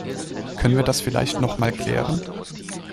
Können wir das vielleicht noch mal klären?